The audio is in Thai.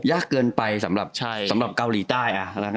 ยากเกินไปสำหรับเกาหลีใต้